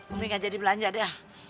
umi ngajak di belanja deh